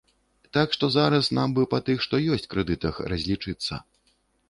Так што зараз нам бы па тых, што ёсць, крэдытах разлічыцца.